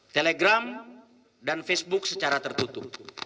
telegram dan facebook secara tertutup